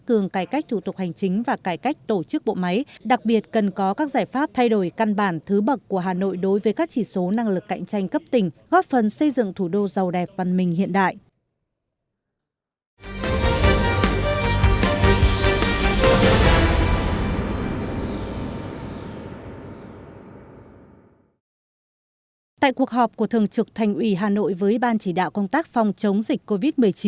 tại cuộc họp của thường trực thành ủy hà nội với ban chỉ đạo công tác phòng chống dịch covid một mươi chín